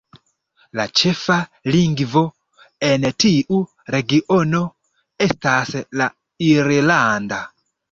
La ĉefa lingvo en tiu regiono estas la irlanda.